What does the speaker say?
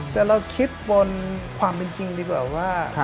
แต่เราคิดบนความเป็นจริงดีกว่าว่า